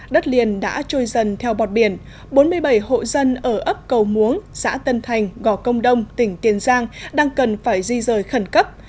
đất liền đã trôi dần theo bọt biển bốn mươi bảy hộ dân ở ấp cầu muống xã tân thành gò công đông tỉnh tiền giang đang cần phải di rời khẩn cấp